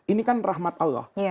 ini kan rahmat allah